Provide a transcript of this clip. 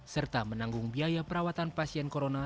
serta menanggung biaya perawatan pasien corona